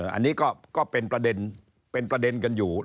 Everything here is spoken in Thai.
อันนี้ก็เป็นประเด็นเป็นประเด็นกันอยู่